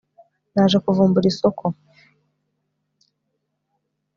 naje kuvumbura isoko